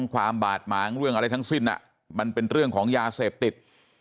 ความบาดหมางเรื่องอะไรทั้งสิ้นมันเป็นเรื่องของยาเสพติด